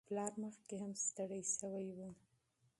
پلار مخکې هم ستړی شوی و.